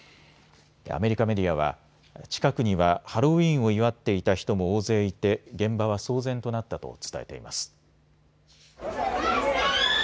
アメリカメディアは近くにはハロウィーンを祝っていた人も大勢いて現場は騒然となったと伝えています。